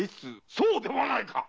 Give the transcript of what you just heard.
そうではないか！